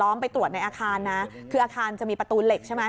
ไปตรวจในอาคารนะคืออาคารจะมีประตูเหล็กใช่ไหม